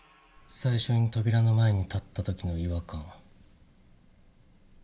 最初に扉の前に立った時の違和感。